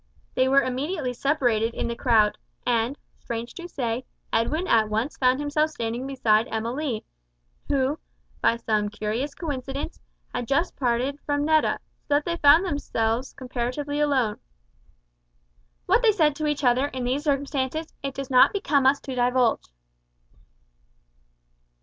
They were immediately separated in the crowd, and, strange to say, Edwin at once found himself standing beside Emma Lee, who, by some curious coincidence, had just parted from Netta, so that they found themselves comparatively alone. What they said to each other in these circumstances it does not become us to divulge.